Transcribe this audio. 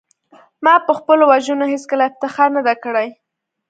ما په خپلو وژنو هېڅکله افتخار نه دی کړی